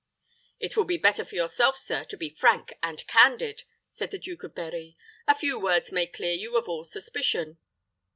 "It will be better for yourself, sir, to be frank and candid," said the Duke of Berri; "a few words may clear you of all suspicion."